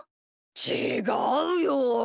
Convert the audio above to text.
ちがうよ。